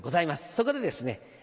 そこでですね